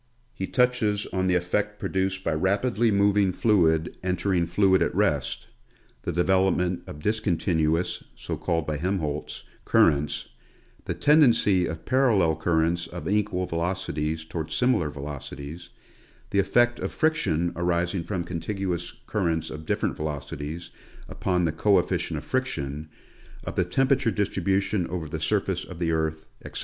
He touches on the effect produced by rapidly moving 154 National Geographic Magazine. fluid entering fluid at rest, the development of discontinuous (so called by Helmholtz) currents, the tendency of parallel currents of unequal velocities towards similar velocities, the effect of fric tion arising from contiguous currents of different velocities, upon the coefficient of friction, of the temperature distribution over the surface of the earth, etc.